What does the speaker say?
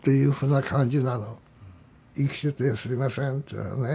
「生きててすいません」っていうなね。